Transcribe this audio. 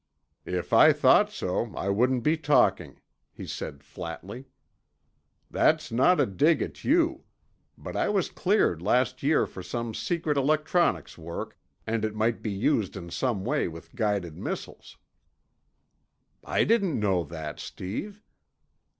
"If I thought so, I wouldn't be talking," he said flatly, "That's not a dig at you. But I was cleared last year for some secret electronics work, and it might be used in some way with guided missiles." "I didn't know that, Steve."